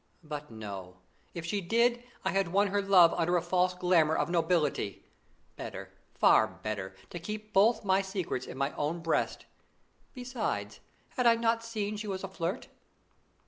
But no! If she did, I had won her love under a false glamour of nobility. Better, far better, to keep both my secrets in my own breast. Besides, had I not seen she was a flirt?